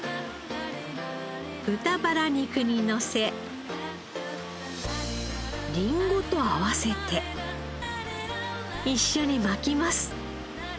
豚バラ肉にのせリンゴと合わせて一緒に巻きます。